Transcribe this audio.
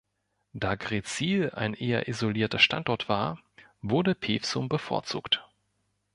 Da Greetsiel ein eher isolierter Standort war, wurde Pewsum bevorzugt.